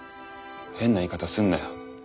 変な言い方すんなよ。